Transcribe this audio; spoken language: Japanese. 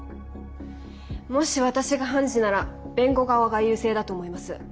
もし私が判事なら弁護側が優勢だと思います。